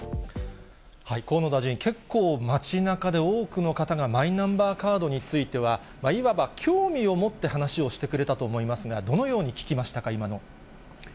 河野大臣、結構、街なかで多くの方が、マイナンバーカードについては、いわば興味を持って話をしてくれたと思いますが、どのように聞きましたか、今の。